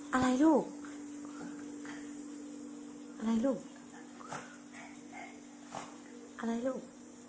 อะไรลูกอะไรลูกอะไรลูก